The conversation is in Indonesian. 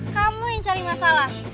kamu yang cari masalah